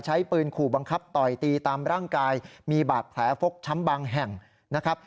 ใช้ปืนขู่บังคับต่อยตีตามร่างกายมีบาดแผลฟกช้ำบางแห่งนะครับ